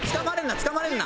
つかまれるな！